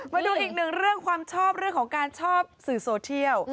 มาดูอีกหนึ่งเรื่องความชอบเรื่องของการชอบสื่อโซเทียล